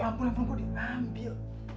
ya ampun handphone saya diambil